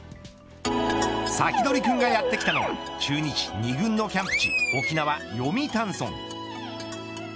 サキドリくんがやってきたのは中日２軍のキャンプ地沖縄、読谷村。